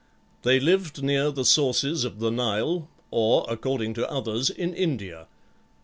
They lived near the sources of the Nile, or according to others, in India.